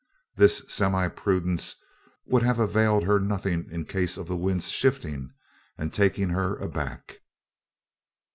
This semi prudence would have availed her nothing in case of the wind's shifting and taking her aback.